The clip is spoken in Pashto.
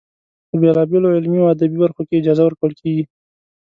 په بېلا بېلو علمي او ادبي برخو کې جایزه ورکول کیږي.